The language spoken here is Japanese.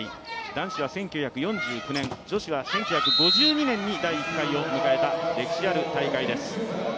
男子は１９４９年、女子は１９５２年に第１回を迎えた歴史ある大会です。